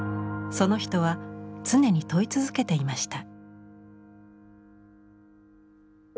その人は常に問い続けていました。